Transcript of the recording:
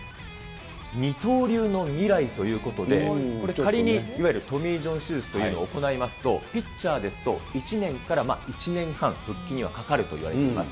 二刀流の未来ということで、これ仮に、いわゆるトミー・ジョン手術というのを行いますと、ピッチャーですと、１年から１年半、復帰にはかかるといわれています。